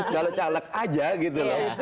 caleg caleg aja gitu loh